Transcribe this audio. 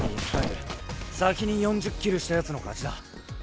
先に４０キルした奴の勝ちだ。